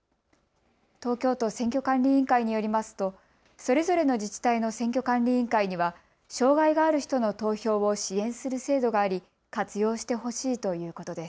東京都選挙管理委員会によりますと、それぞれの自治体の選挙管理委員会には障害がある人の投票を支援する制度があり活用してほしいということです。